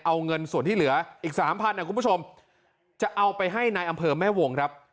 เอาเงินส่วนที่เหลืออีกสามพันนะคุณผู้ชมจะเอาไปให้นายอำเภอแม่วงครับ